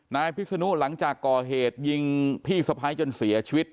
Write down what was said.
นายพิศนุหลังจากก่อเหตุยิงพี่สะพ้ายจนเสียชีวิต